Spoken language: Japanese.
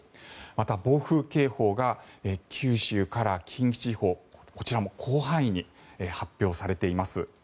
また、暴風警報が九州から近畿地方こちらも広範囲に発表されています。